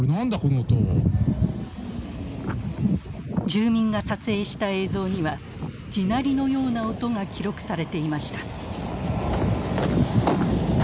住民が撮影した映像には地鳴りのような音が記録されていました。